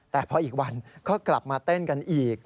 แต่พออีกวันก็กลับมาเต้นกันอีก